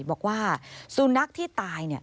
บอกว่าสุนัขที่ตาย